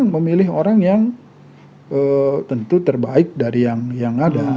memilih orang yang tentu terbaik dari yang ada